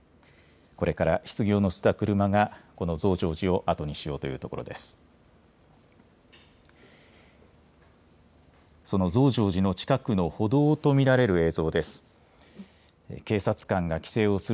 これから、ひつぎを乗せた車がこの増上寺を後にしようというところです。